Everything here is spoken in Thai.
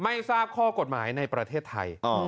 ไม่ทราบข้อกฎหมายในประเทศไทย